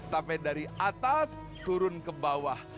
tapi dari atas turun ke bawah